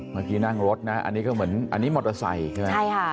เมื่อกี้นั่งรถนะอันนี้ก็เหมือนอันนี้มอเตอร์ไซค์ใช่ไหมใช่ค่ะ